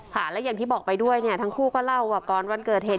และอย่างที่บอกไปด้วยเนี่ยทั้งคู่ก็เล่าว่าก่อนวันเกิดเหตุ